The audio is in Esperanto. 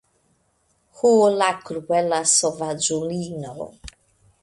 Ho, la kruela sovaĝulino.